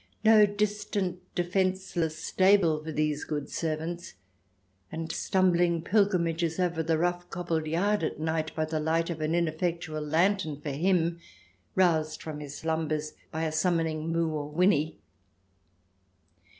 No distant defenceless stable for these good servants, and stumbling pilgrimages over the rough cobbled yard at night, by the light of an in effectual lantern for him, roused from his slumbers by a summoning moo or whinny